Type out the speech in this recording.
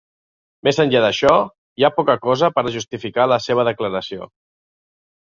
Més enllà d'això, hi ha poca cosa per a justificar la seva declaració.